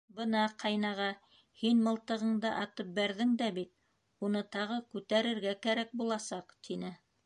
— Бына, ҡайнаға, һин мылтығыңды атып бәрҙең дә бит, уны тағы күтәрергә кәрәк буласаҡ, — тине.